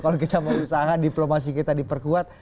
kalau kita berusaha diplomasi kita diperkuat